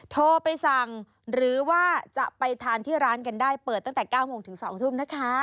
โทรไปสั่งหรือว่าจะไปทานที่ร้านกันได้เปิดตั้งแต่๙โมงถึง๒ทุ่มนะคะ